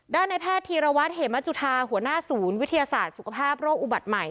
ในแพทย์ธีรวัตรเหมจุธาหัวหน้าศูนย์วิทยาศาสตร์สุขภาพโรคอุบัติใหม่